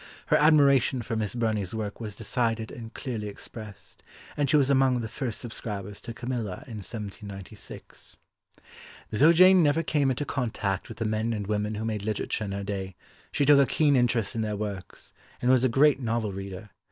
Her admiration for Miss Burney's work was decided and clearly expressed, and she was among the first subscribers to Camilla in 1796. Though Jane never came into contact with the men and women who made literature in her day, she took a keen interest in their works, and was a great novel reader.